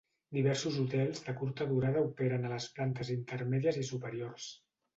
Diversos hotels de curta durada operen a les plantes intermèdies i superiors.